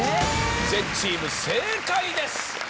全チーム正解です。